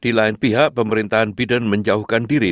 di lain pihak pemerintahan biden menjauhkan diri